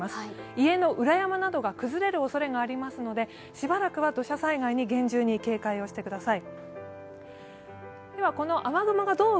家の裏山などが崩れるおそれがありますので、しばらくは土砂災害に厳重に警戒をしてください。